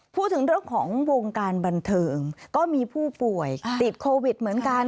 พูดถึงเรื่องของวงการบันเทิงก็มีผู้ป่วยติดโควิดเหมือนกัน